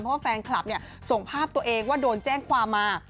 เพราะว่าแฟนคลับเนี่ยส่งภาพตัวเองว่าโดนแจ้งความมา